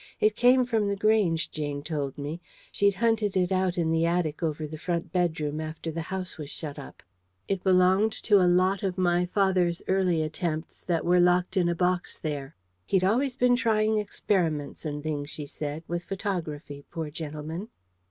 It came from The Grange, Jane told me: she'd hunted it out in the attic over the front bedroom after the house was shut up. It belonged to a lot of my father's early attempts that were locked in a box there. "He'd always been trying experiments and things," she said, "with photography, poor gentleman."